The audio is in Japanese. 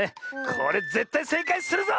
これぜったいせいかいするぞ！